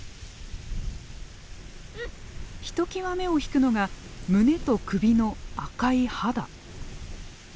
ひときわ目を引くのが胸と首の赤い肌。